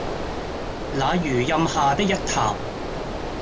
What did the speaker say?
那榆蔭下的一潭